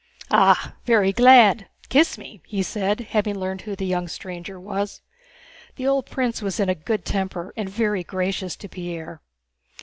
"Ah! Very glad! Kiss me," he said, having learned who the young stranger was. The old prince was in a good temper and very gracious to Pierre.